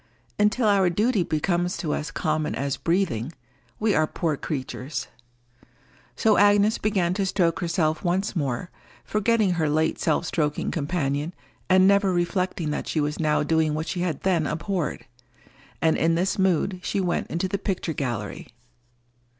Until our duty becomes to us common as breathing, we are poor creatures. So Agnes began to stroke herself once more, forgetting her late self stroking companion, and never reflecting that she was now doing what she had then abhorred. And in this mood she went into the picture gallery.